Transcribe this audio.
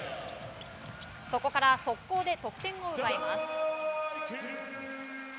そこから速攻で得点を奪います。